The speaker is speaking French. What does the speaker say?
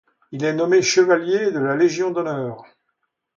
Il est nommé chevalier de la Légion d'honneur.